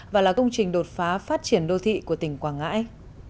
và là công trình đột phá phát triển đô thị của tỉnh quảng ngãi